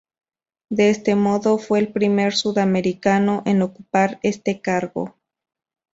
De este modo fue el primer sudamericano en ocupar este cargo.